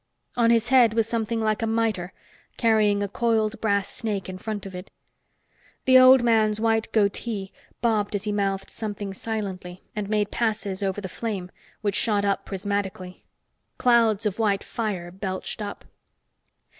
On his head was something like a miter, carrying a coiled brass snake in front of it. The old man's white goatee bobbed as he mouthed something silently and made passes over the flame, which shot up prismatically. Clouds of white fire belched up.